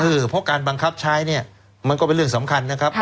เพราะการบังคับใช้เนี่ยมันก็เป็นเรื่องสำคัญนะครับ